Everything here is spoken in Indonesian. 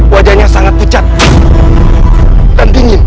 wajahnya sangat pecat dan dingin